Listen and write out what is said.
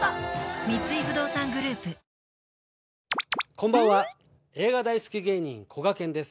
こんばんは映画大好き芸人こがけんです。